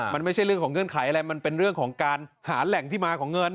มันไม่ใช่เรื่องของเงื่อนไขอะไรมันเป็นเรื่องของการหาแหล่งที่มาของเงิน